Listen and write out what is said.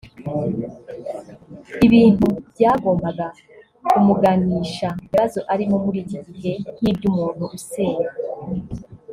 ibintu byagombaga kumuganisha ku bibazo arimo muri iki gihe nk’iby’umuntu usenya